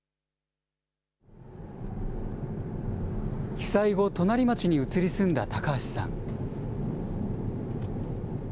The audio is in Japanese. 被災後、隣町に移り住んだ高橋さん。